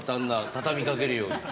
畳みかけるように。